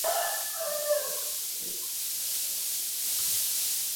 কিন্তু, আমাদের এটা নিয়ে দৌড়াতে হচ্ছে, তাই না?